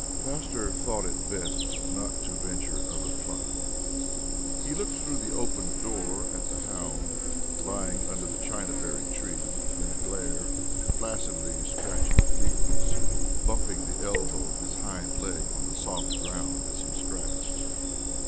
Plaster thought it best not to venture a reply. He looked through the open door at the hound, lying under the china berry tree in the glare, placidly scratching fleas, bumping the elbow of his hind leg on the soft ground as he scratched.